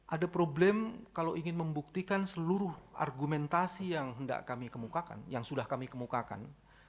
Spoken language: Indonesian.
ada problem kalau ingin membuktikan seluruh argumentasi yang sudah kami kemukakan